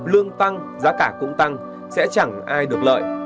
lương tăng giá cả cũng tăng sẽ chẳng ai được lợi